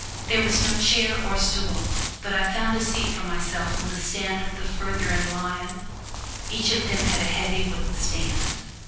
There was no chair or stool, but I found a seat for myself on the stand of the farther in lion each of them had a heavy wooden stand.